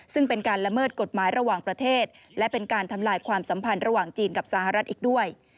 ซึ่งเป็นการละเมิดกฎหมายระหว่างประเทศและเป็นการทำลายความสัมพันธ์ระหว่างจีนกับสหรัฐอีกด้วย